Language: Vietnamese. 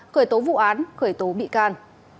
khởi tố vụ án khởi tố bị can